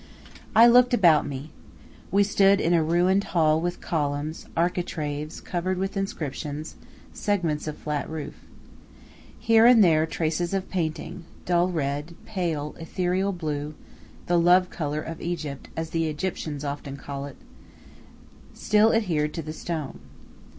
I looked about me. We stood in a ruined hall with columns, architraves covered with inscriptions, segments of flat roof. Here and there traces of painting, dull red, pale, ethereal blue the "love color" of Egypt, as the Egyptians often call it still adhered to the stone.